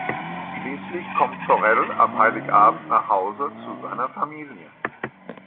Schließlich kommt Forell am Heiligabend nach Hause zu seiner Familie.